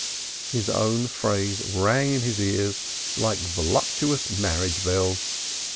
His own phrase rang in his ears like voluptuous marriage bells.